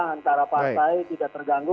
antara partai tidak terganggu